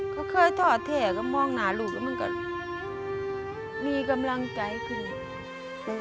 เขาเคยถอดแถก็มองหน้าลูกแล้วมันก็มีกำลังใจขึ้น